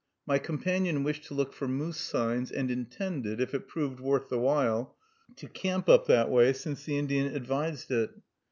My companion wished to look for moose signs, and intended, if it proved worth the while, to camp up that way, since the Indian advised it.